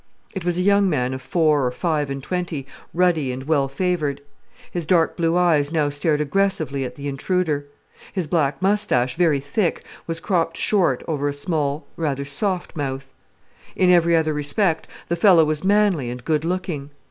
It was a young man of four or five and twenty, ruddy and well favoured. His dark blue eyes now stared aggressively at the intruder. His black moustache, very thick, was cropped short over a small, rather soft mouth. In every other respect the fellow was manly and good looking.